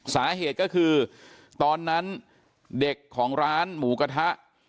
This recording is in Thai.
สาเหตุก็คือตอนนั้นเด็กของร้านหมูกระทะ